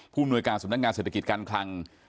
มนวยการสำนักงานเศรษฐกิจการคลัง